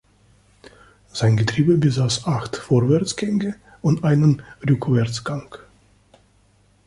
Sein Getriebe besaß acht Vorwärtsgänge und einen Rückwärtsgang.